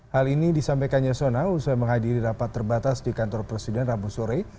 hal ini disampaikan yasona usai menghadiri rapat terbatas di kantor presiden rabu sore